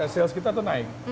sales kita tuh naik